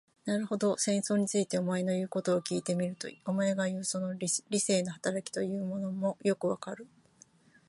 なるほど、戦争について、お前の言うことを聞いてみると、お前がいう、その理性の働きというものもよくわかる。